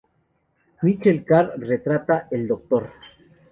Michael Carr retrata el Dr.